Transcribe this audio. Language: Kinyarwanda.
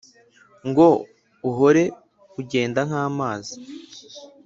ngo uhore ugenda nk'amazi